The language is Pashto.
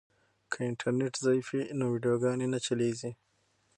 که انټرنیټ ضعیف وي نو ویډیوګانې نه چلیږي.